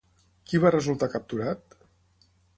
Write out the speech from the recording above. Qui va resultar capturat?